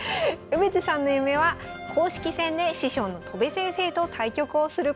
梅津さんの夢は公式戦で師匠の戸辺先生と対局をすることだそうです。